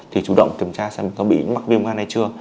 thì chủ động kiểm tra xem có bị mắc viêm gan hay chưa